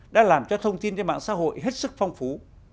đã làm cho thông tin trên mạng xã hội hết sức phong phú